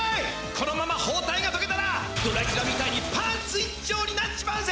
このままほうたいがとけたらドラキュラみたいにパンツ一丁になっちまうぜ。